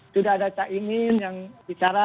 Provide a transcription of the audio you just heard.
sudah ada cak imin yang bicara